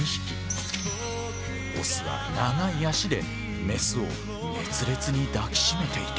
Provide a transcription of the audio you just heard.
オスは長い脚でメスを熱烈に抱きしめていた。